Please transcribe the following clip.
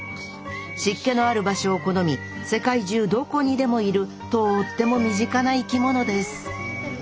湿気のある場所を好み世界中どこにでもいるとっても身近な生きものです